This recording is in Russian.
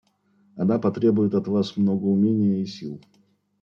Она потребует от Вас много умения и сил.